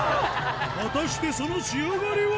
果たしてその仕上がりは？